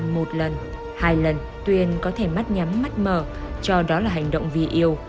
một lần hai lần tuyền có thể mắt nhắm mắt mờ cho đó là hành động vì yêu